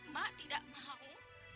mak tidak mau